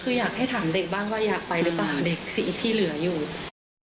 คืออยากให้ถามเด็กบ้างว่าอยากไปหรือเปล่าเด็กสีที่เหลืออยู่